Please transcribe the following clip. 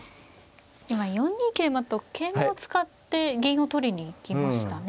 今４二桂馬と桂馬を使って銀を取りに行きましたね。